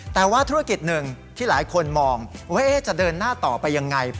แต่ว่าธุรกิจหนึ่งที่หลายคนมองว่าจะเดินหน้าต่อไปยังไง